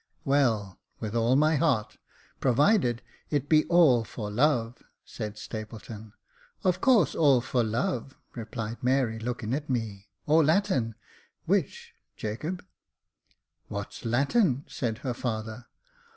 " Well, with all my heart, provided it be all for love," said Stapleton. " Of course all for love," replied Mary, looking at me, " or Latin — which, Jacob ?"" What's Latin ?" said her father.